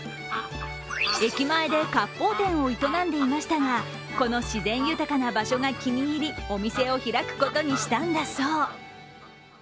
駅前でかっぽう店を営んでいましたがこの自然豊かな場所が気に入りお店を開くことにしたんだそう。